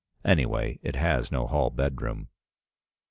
Anyway, it has no hall bedroom.